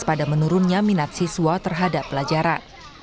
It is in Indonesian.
pada menurunnya minat siswa terhadap pelajaran